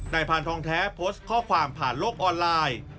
พานทองแท้โพสต์ข้อความผ่านโลกออนไลน์